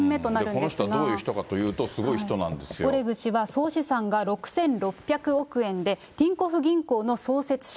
この人がどういう人かというと、オレグ氏は総資産が６６００億円で、ティンコフ銀行の創設者。